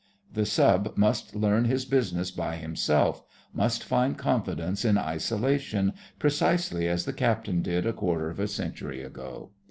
The Sub must learn his business by himself—must find confidence in isolation precisely as the Captain did a quarter of a century ago.